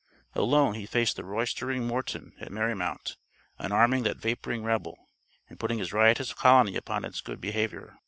Alone he faced the roystering Morton at Merrymount, unarming that vaporing rebel and putting his riotous colony upon its good behavior.